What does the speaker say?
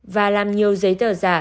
và làm nhiều giấy tờ giả